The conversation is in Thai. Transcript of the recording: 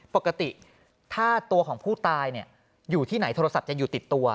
ปกติถ้าตัวของผู้ตายอยู่ที่ไหนโทรศัพท์จะอยู่ติดตัว